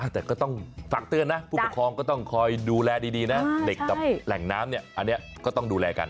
แต่ก็ต้องฝากเตือนนะผู้ปกครองก็ต้องคอยดูแลดีนะเด็กกับแหล่งน้ำเนี่ยอันนี้ก็ต้องดูแลกัน